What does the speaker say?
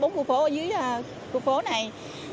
bốn khu phố dưới khu phố này